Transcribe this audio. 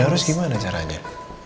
ya harus gimana caranya